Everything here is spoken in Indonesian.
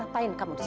ngapain kamu di sini